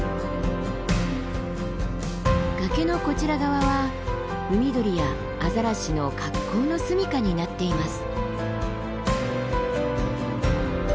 崖のこちら側は海鳥やアザラシの格好の住みかになっています。